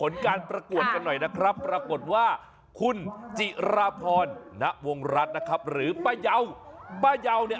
นัพพรรณณวงรัฐนะครับหรือป้าเยาป้าเยาเนี่ย